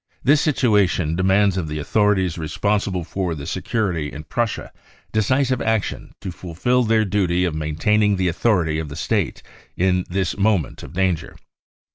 This situation demands of the authorities respon sible for security in Prussia decisive action to fulfil their duty of maintaining the authority of the State in this moment of danger.